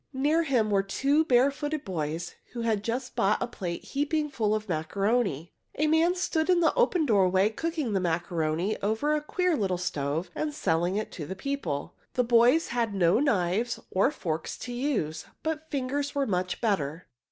Near him were two barefooted boys who had just bought a plate heaping full of macaroni. A man stood in an open doorway cooking the macaroni over a queer little stove and selling it to the people. The boys had no knives or forks to use, but fingers were much better.